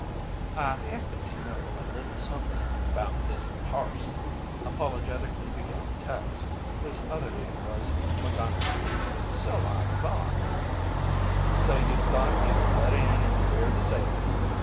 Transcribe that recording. "I happened to know a little somethin' about this harse," apologetically began "Tex," whose other name was McGonnigle, "so I thought " "So you thought you'd butt in and queer the sale of it.